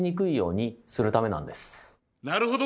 なるほど。